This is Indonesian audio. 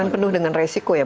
dan penuh dengan resiko ya